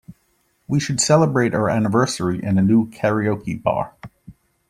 We should celebrate our anniversary in the new karaoke bar.